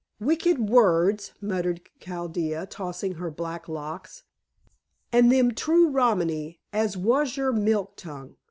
"Wicked words," muttered Chaldea tossing her black locks. "And them true Romany as was your milk tongue.